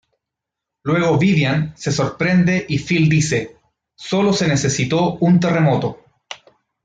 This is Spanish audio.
Luego Vivian se sorprende y Phil dice: "Solo se necesitó un terremoto".